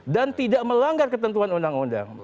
dan tidak melanggar ketentuan undang undang